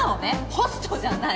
ホストじゃない。